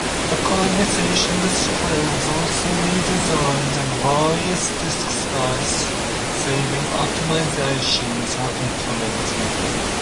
The conversation display was also redesigned and various disk space saving optimizations were implemented.